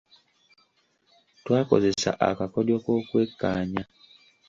Twakozesa akakodyo k’okwekkaanya.